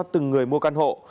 từng người mua căn hộ